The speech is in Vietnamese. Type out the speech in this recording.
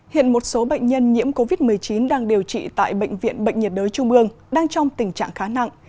hiện một số bệnh nhân nhiễm covid một mươi chín đang điều trị tại bệnh viện bệnh nhiệt đới trung ương đang trong tình trạng khá nặng